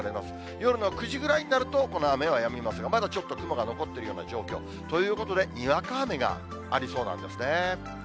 夜の９時ぐらいになると、この雨はやみますが、まだちょっと雲が残ってるような状況。ということで、にわか雨がありそうなんですね。